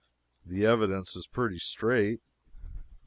The evidence is pretty straight.